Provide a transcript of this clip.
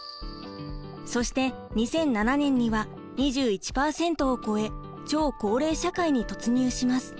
そして２００７年には２１％を超え超高齢社会に突入します。